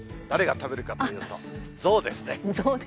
誰が食べるかというと、象ですね。